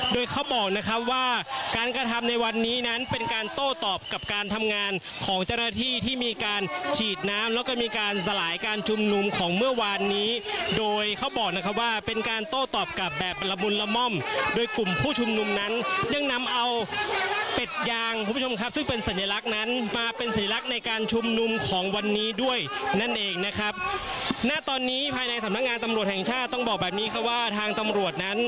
โดยเขาบอกนะครับว่าการกระทำในวันนี้นั้นเป็นการโต้ตอบกับการทำงานของเจ้าหน้าที่ที่มีการฉีดน้ำแล้วก็มีการสลายการชุมนุมของเมื่อวานนี้โดยเขาบอกนะครับว่าเป็นการโต้ตอบกับแบบละมุนละม่อมโดยกลุ่มผู้ชุมนุมนั้นยังนำเอาเป็ดยางคุณผู้ชมครับซึ่งเป็นสัญลักษณ์นั้นมาเป็นสัญลักษณ์ในการชุ